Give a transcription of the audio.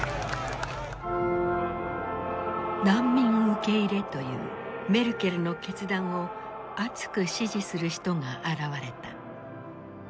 難民受け入れというメルケルの決断を熱く支持する人が現れた。